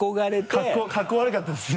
かっこ悪かったです